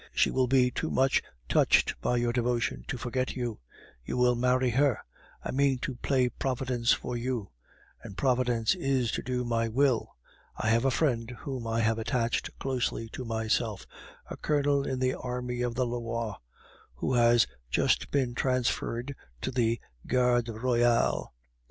She will be too much touched by your devotion to forget you; you will marry her. I mean to play Providence for you, and Providence is to do my will. I have a friend whom I have attached closely to myself, a colonel in the Army of the Loire, who has just been transferred into the garde royale.